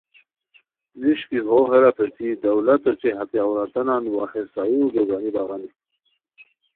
نیݰکی ہو ہیرا پیڅھی دولت اوچے ہتے عورتانان وا ہے سایورجو گانی بغانی